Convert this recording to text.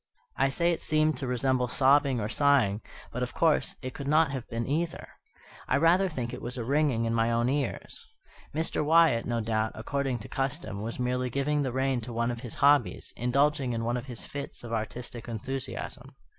I say it seemed to resemble sobbing or sighing, but, of course, it could not have been either. I rather think it was a ringing in my own ears. Mr. Wyatt, no doubt, according to custom, was merely giving the rein to one of his hobbies, indulging in one of his fits of artistic enthusiasm.